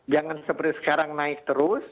jangan seperti sekarang naik terus